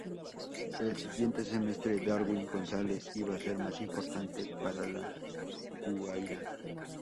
El siguiente semestre Darwin González iba a ser más importante para La Guaira.